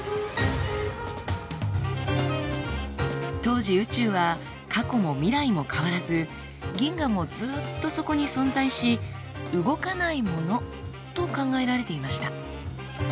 当時宇宙は過去も未来も変わらず銀河もずっとそこに存在し動かないものと考えられていました。